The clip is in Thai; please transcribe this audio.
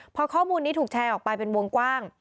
พอข้อมูลนี้ถูกแชร์ออกไปเป็นวงกว้าง